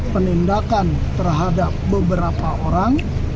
penindakan terhadap beberapa orang